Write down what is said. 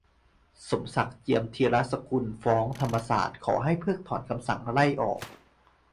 'สมศักดิ์ เจียมธีรสกุล' ฟ้องธรรมศาสตร์ ขอให้เพิกถอนคำสั่งไล่ออก